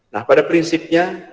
nah pada prinsipnya